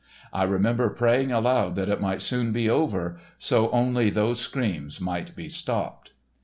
I remember praying aloud that it might soon be over, so only those screams might be stopped.